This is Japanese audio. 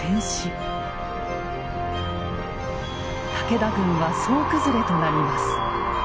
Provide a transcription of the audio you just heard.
武田軍は総崩れとなります。